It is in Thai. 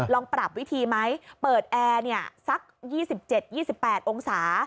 ลองปรับวิธีไหมเปิดแอร์สัก๒๗๒๘องศา